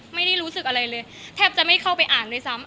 ไม่ได้รู้สึกอะไรเลยแทบจะไม่เข้าไปอ่านเลยซ้ำ